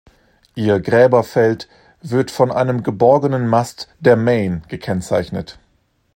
Ihr Gräberfeld wird von einem geborgenen Mast der "Maine" gekennzeichnet.